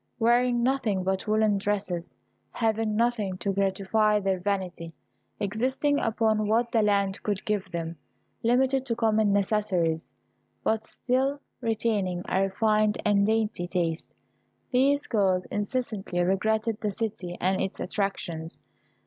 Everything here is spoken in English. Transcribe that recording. Wearing nothing but woollen dresses, having nothing to gratify their vanity, existing upon what the land could give them, limited to common necessaries, but still retaining a refined and dainty taste, these girls incessantly regretted the city and its attractions.